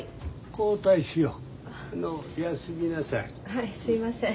はいすいません。